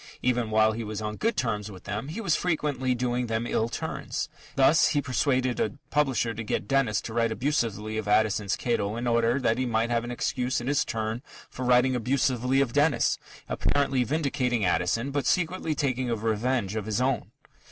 Even while he was on good terms with them, he was frequently doing them ill turns. Thus, he persuaded a publisher to get Dennis to write abusively of Addison's Cato in order that he might have an excuse in his turn for writing abusively of Dennis, apparently vindicating Addison but secretly taking a revenge of his own.